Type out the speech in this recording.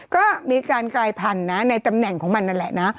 ก็มีการกลายพันธุ์นะในตำแหน่งของมันนั่นแหละนะ